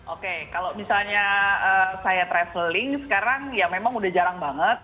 oke kalau misalnya saya traveling sekarang ya memang udah jarang banget